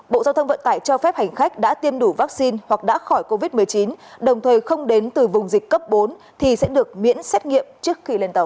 bộ giao thông vận tải cho phép hành khách đã tiêm đủ vaccine hoặc đã khỏi covid một mươi chín đồng thời không đến từ vùng dịch cấp bốn thì sẽ được miễn xét nghiệm trước khi lên tàu